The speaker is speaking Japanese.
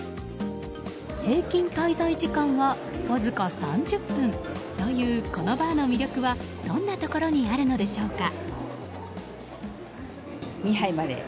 平均滞在時間はわずか３０分というどんなところにあるのでしょうか。